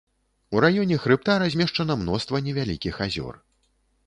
У раёне хрыбта размешчана мноства невялікіх азёр.